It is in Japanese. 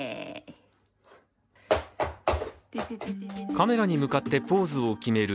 カメラに向かってポーズを決める